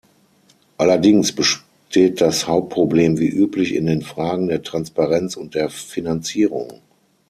Allerdings besteht das Hauptproblem wie üblich in den Fragen der Transparenz und der Finanzierung.